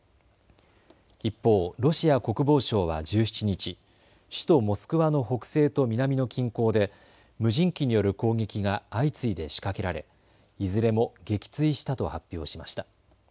一方、ロシア国防省は１７日、首都モスクワの北西と南の近郊で無人機による攻撃が相次いで仕掛けられ、いずれも撃墜したと発表しました。